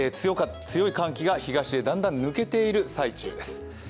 強い寒気が東へだんだん抜けている最中です。